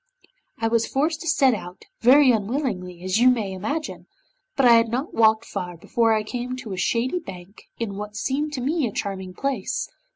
I was forced to set out, very unwillingly, as you may imagine, but I had not walked far before I came to a shady bank in what seemed to me a charming place.